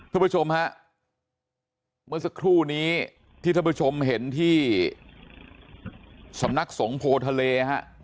ผู้ชมฮะเมื่อสักครู่นี้ที่ท่านผู้ชมเห็นที่สำนักสงโพทะเลฮะ